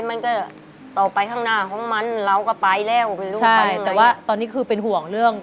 มันก็ต่อไปข้างหน้าของมันเราก็ไปแล้วเป็นลูกไปแต่ว่าตอนนี้คือเป็นห่วงเรื่อง